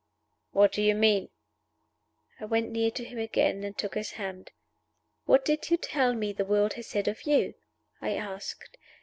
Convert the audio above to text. "What do you mean?" I went near to him again, and took his hand. "What did you tell me the world has said of you?" I asked.